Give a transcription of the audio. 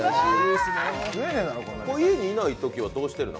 家にいないときはどうしてるの？